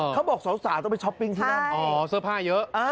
เขาบอกสาวต้องไปช้อปปิ้งที่นั่นอ๋อเสื้อผ้าเยอะ